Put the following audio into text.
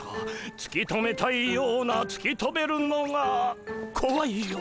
つき止めたいようなつき止めるのがこわいような。